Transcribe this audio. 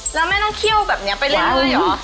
แล้วแม่ต้องเคี่ยวแบบนี้ไปเล่นด้วยเหรอ